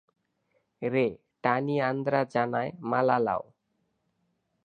রে টানিন্দ্রাযানায় মালালা ও!